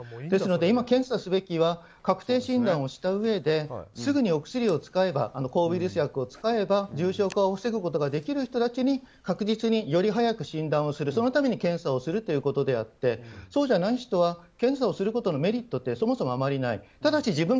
ですので今、検査すべきは確定診断をしたうえですぐにお薬を使えば抗ウイルス薬を使えば重症化を防ぐことができる人たちに、確実により速く診断をする、そのために検査をするということであってそうじゃない人は検査をすることのメリットはそもそもない。